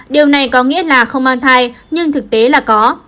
điều này có nghĩa là không mang thai nhưng thực tế là có